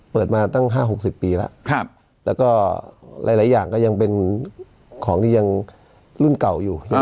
เปิดมาตั้ง๕๖๐ปีแล้วแล้วก็หลายอย่างก็ยังเป็นของที่ยังรุ่นเก่าอยู่